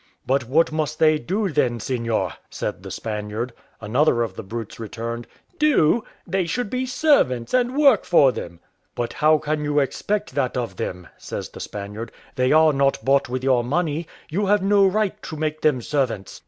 "But what must they do then, seignior?" said the Spaniard. Another of the brutes returned, "Do? they should be servants, and work for them." "But how can you expect that of them?" says the Spaniard; "they are not bought with your money; you have no right to make them servants."